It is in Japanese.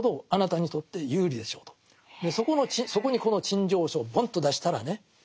そこにこの陳情書をボンと出したらね